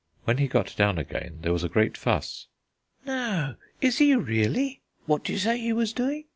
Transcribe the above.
When he got down again there was a great fuss. "No, is he really?" "What d'you say he was doing?"